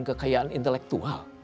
untuk membuatmu intelektual